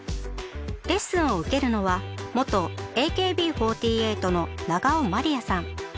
レッスンを受けるのは元ＡＫＢ４８の永尾まりやさん。